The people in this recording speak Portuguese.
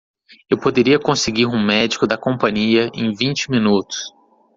Eu poderia conseguir um médico da companhia em vinte minutos.